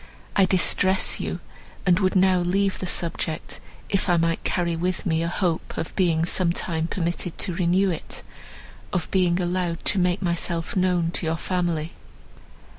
I distress you, and would now leave the subject, if I might carry with me a hope of being some time permitted to renew it, of being allowed to make myself known to your family."